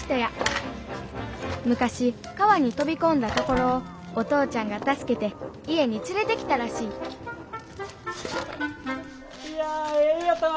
昔川に飛び込んだところをお父ちゃんが助けて家に連れてきたらしいいやええ湯やったわ。